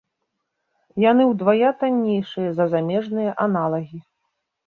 Яны ўдвая таннейшыя за замежныя аналагі.